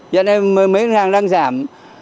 do nên mấy ngân hàng đang giảm